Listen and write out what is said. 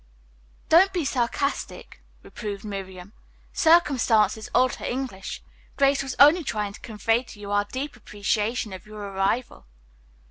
"Don't be sarcastic," reproved Miriam. "Circumstances alter English. Grace was only trying to convey to you our deep appreciation of your arrival."